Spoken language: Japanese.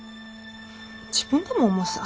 自分でも思うさ。